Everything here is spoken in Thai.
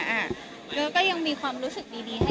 แล้วก็ยังมีความรู้สึกดีให้